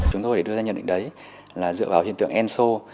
chúng tôi để đưa ra nhận định đấy là dựa vào hiện tượng enso